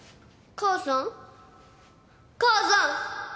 母さん！